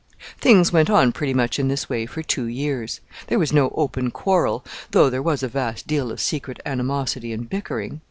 Things went on pretty much in this way for two years. There was no open quarrel, though there was a vast deal of secret animosity and bickering.